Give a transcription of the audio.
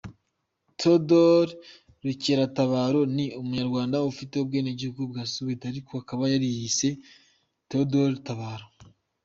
Theodore Rukeratabaro ni Umunyarwanda ufite ubwenegihugu bwa Suède ariko akaba yariyise Theodore Tabaro.